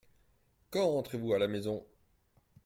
Quand rentrez-vous à la maison ?